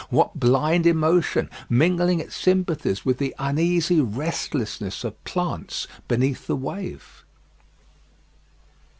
What blind emotion, mingling its sympathies with the uneasy restlessness of plants beneath the wave?